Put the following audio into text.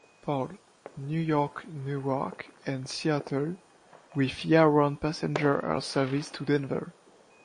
Paul, New York Newark, and Seattle, with year-round passenger air service to Denver.